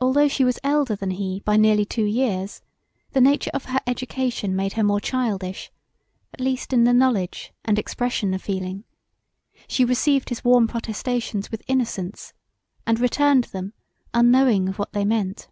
Although she was elder than he by nearly two years the nature of her education made her more childish at least in the knowledge and expression of feeling; she received his warm protestations with innocence, and returned them unknowing of what they meant.